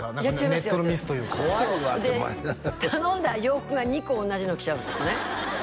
ネットのミスというかそう頼んだ洋服が２個同じのが来ちゃうとかね